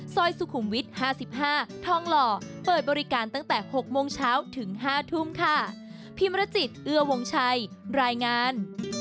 ซอยสุขุมวิท๕๕ทองหล่อเปิดบริการตั้งแต่๖โมงเช้าถึง๕ทุ่มค่ะพิมรจิตเอื้อวงชัยรายงาน